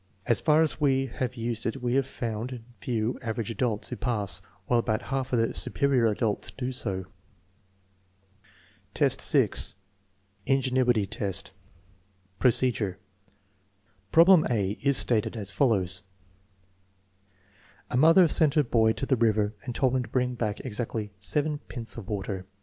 As far as we have used it we have found few " average adults " who pass, while about half the " superior adults " do so. Superior adult, 6 : ingenuity test Procedure. Problem a is stated as follows: A mother sent Jier boy to the river and told him to bring back exactly 7 pints of water.